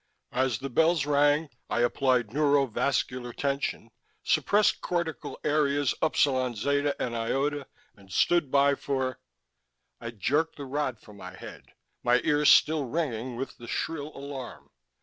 As the bells rang, I applied neuro vascular tension, suppressed cortical areas upsilon zeta and iota, and stood by for I jerked the rod from my head, my ears still ringing with the shrill alarm.